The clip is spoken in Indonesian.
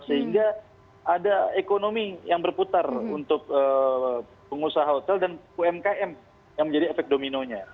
sehingga ada ekonomi yang berputar untuk pengusaha hotel dan umkm yang menjadi efek dominonya